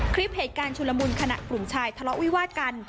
คลิปเหตุการณ์ชุลมุนขณะกลุ่มชายทะเลาะวิวาดกัน